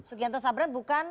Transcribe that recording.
sugianto sabran bukan